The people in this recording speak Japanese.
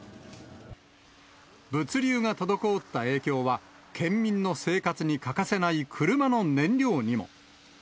物流が滞った影響は、県民の生活に欠かせない車の燃料にも。